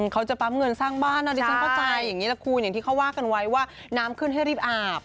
เขาจะปั๊มเงินสร้างบ้านนะดิฉันเข้าใจอย่างนี้แหละคุณอย่างที่เขาว่ากันไว้ว่าน้ำขึ้นให้รีบอาบ